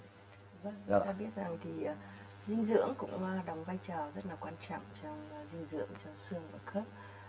vâng chúng ta biết rằng thì dinh dưỡng cũng đóng vai trò rất là quan trọng trong dinh dưỡng cho xương và khớp